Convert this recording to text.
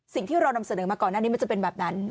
สิ่งที่เรานำเสนอมาก่อนหน้านี้มันจะเป็นแบบนั้น